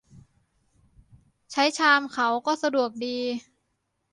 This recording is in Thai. ใช้ชามเขาก็สะดวกดี